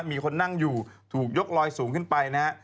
มีคนนั่งอยู่ถูกยกลอยสูงขึ้นไปนะฮะ